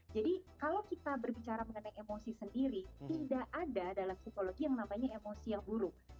jadi kalau kita berbicara mengenai emosi sendiri tidak ada dalam psikologi yang namanya emosi yang buruk